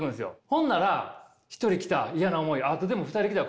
ほんなら１人来た嫌な思い。